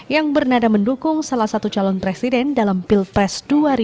yang bernada mendukung salah satu calon presiden dalam pilpres dua ribu sembilan belas